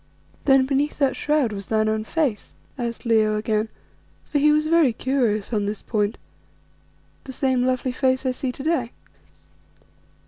"Then beneath that shroud was thine own face," asked Leo again, for he was very curious on this point, "the same lovely face I see to day?"